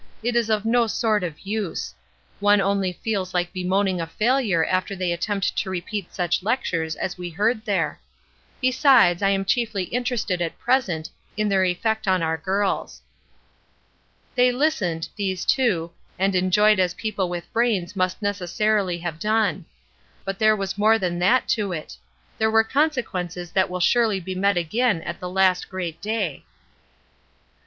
It is of no sort of use. One only feels like bemoaning a failure after any attempt to repeat such lectures as we heard there. Besides, I am chiefly interested at present in their effect on our girls. They listened these two, and enjoyed as people with brains must necessarily have done. But there was more than that to it; there were consequences that will surely be met again at the last great day.